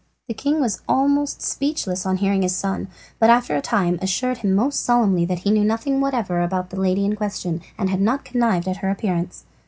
The king was almost speechless on hearing his son, but after a time assured him most solemnly that he knew nothing whatever about the lady in question, and had not connived at her appearance.